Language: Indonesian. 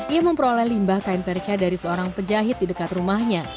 ia memperoleh limbah kain perca dari seorang penjahit di dekat rumahnya